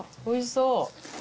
おいしそう。